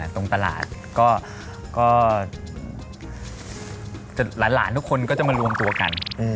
ตรงตลาดก็หลานทุกคนก็จะมารวมตัวกัน